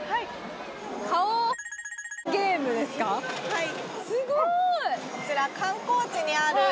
はい。